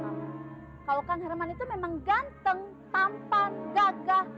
kalau kang herman itu memang ganteng tanpa gagah